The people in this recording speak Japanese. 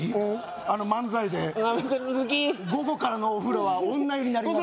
あの漫才で午後からのお風呂は女湯になります